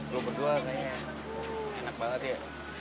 lu berdua kayaknya enak banget ya